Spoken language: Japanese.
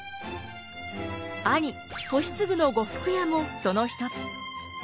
兄俊次の呉服屋もその一つ。